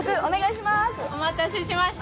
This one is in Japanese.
お待たせしました！